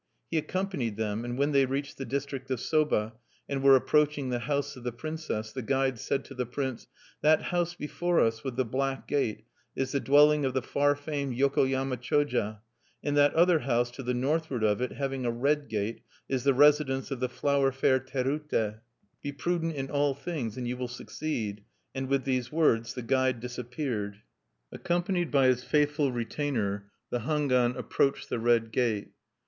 He accompanied them; and when they reached the district of Soba, and were approaching the house of the princess, the guide said to the prince: "That house before us, with the black gate, is the dwelling of the far famed Yokoyama Choja; and that other house, to the northward of it, having a red gate, is the residence of the flower fair Terute. "Be prudent in all things, and you will succeed." And with these words, the guide disappeared. Accompanied by his faithful retainer, the Hangwan approached the red gate.